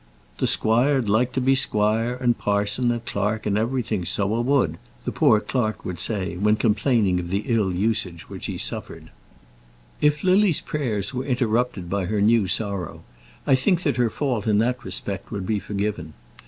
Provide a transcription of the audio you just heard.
"T' squire'd like to be squire, and parson, and clerk, and everything; so a would," the poor clerk would say, when complaining of the ill usage which he suffered. If Lily's prayers were interrupted by her new sorrow, I think that her fault in that respect would be forgiven.